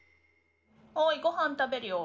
おいごはん食べるよ。